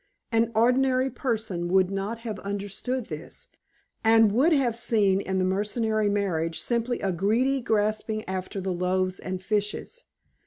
An ordinary person would not have understood this, and would have seen in the mercenary marriage simply a greedy grasping after the loaves and fishes.